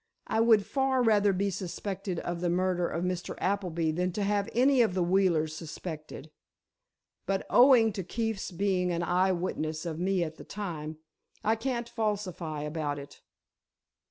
I would far rather be suspected of the murder of Mr. Appleby than to have any of the Wheelers suspected. But owing to Keefe's being an eye witness of me at the time, I can't falsify about it.